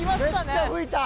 めっちゃ吹いた！